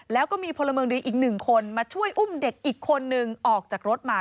แล้วก็มีพลเมืองดีอีกหนึ่งคนมาช่วยอุ้มเด็กอีกคนนึงออกจากรถมา